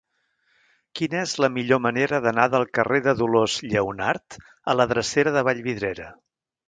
Quina és la millor manera d'anar del carrer de Dolors Lleonart a la drecera de Vallvidrera?